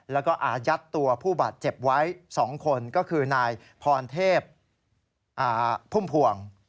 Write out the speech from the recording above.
แล้วก็อายัดตัวผู้บาดเจ็บไว้๒คนก็คือนายพรเทพพุ่มพวง